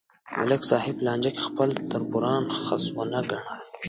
ملک صاحب په لانجه کې خپل تربوران خس ونه گڼل